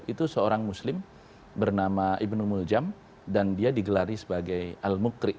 itu seorang muslim bernama ibn muljam dan dia digelari sebagai al mukri